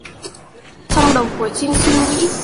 trong đầu của Trinh suy nghĩ